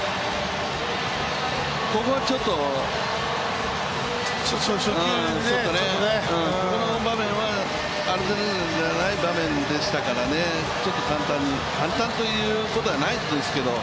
ここはちょっと、この場面はアロザレーナじゃない場面でしたからね、ちょっと簡単に、簡単ということはないんですけど。